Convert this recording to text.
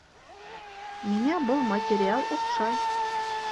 Миңә был материал оҡшай